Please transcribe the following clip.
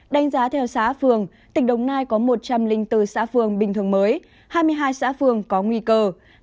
đánh giá theo xã phường tỉnh đồng nai có một trăm linh bốn xã phường bình thường mới hai mươi hai xã phường có nguy cơ